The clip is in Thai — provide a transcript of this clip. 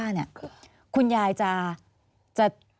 อันดับ๖๓๕จัดใช้วิจิตร